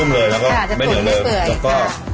เลยแล้วก็ไม่เหนียวเลยแล้วก็